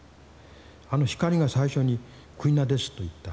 あの光が最初に「クイナです」と言った。